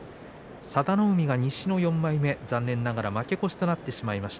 佐田の海が西の４枚目残念ながら負け越しとなってしまいました。